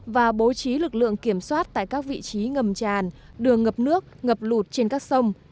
và bố trí lực lượng kiểm soát tại các vị trí ngầm tràn đường ngập nước ngập lụt trên các sông